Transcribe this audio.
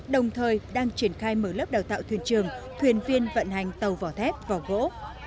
đồng thời đang triển khai mở lớp đào tạo thuyền trường thuyền viên vận hành tàu vỏ thép vỏ gỗ